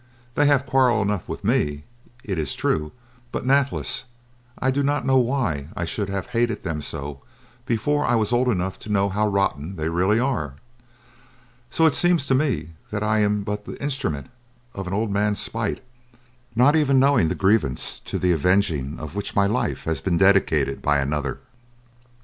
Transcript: They have quarrel enough with me it is true, but, nathless, I do not know why I should have hated them so before I was old enough to know how rotten they really are. So it seems to me that I am but the instrument of an old man's spite, not even knowing the grievance to the avenging of which my life has been dedicated by another.